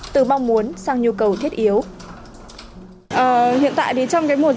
từ mong muốn sang nhu cầu thiết yếu